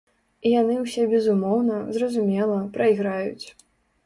І яны ўсе безумоўна, зразумела, прайграюць.